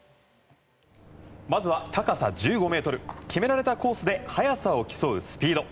まずは高さ１５ｍ決められたコースで速さを競うスピード。